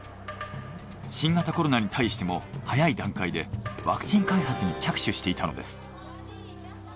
新型コロナに対しても早い段階でワクチン開発に着手していたのです。